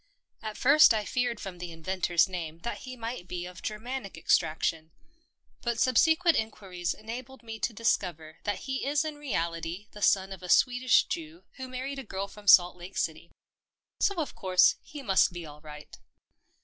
At first I feared from the inventor's name that he might be of Germanic extraction, but subsequent inquiries enabled me to discover that he is in reality the son of a Swedish Jew who married a girl from Salt Lake City. So, of course, he must be all right.